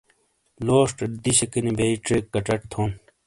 لوشٹے دیشیک نی بئی ڇیک کچٹ تھون۔